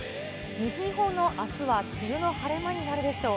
西日本のあすは梅雨の晴れ間になるでしょう。